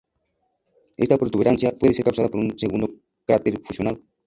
Esta protuberancia puede ser causada por un segundo cráter fusionado.